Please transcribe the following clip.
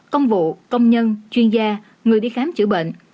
công vụ công nhân chuyên gia người đi khám chữa bệnh